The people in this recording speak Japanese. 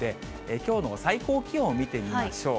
きょうの最高気温を見てみましょう。